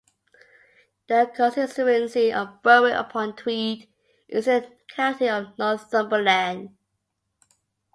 The constituency of Berwick-upon-Tweed is in the county of Northumberland.